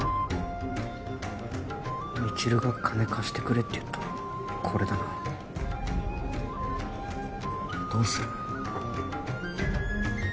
未知留が「金貸してくれ」って言ったのこれだなどうする？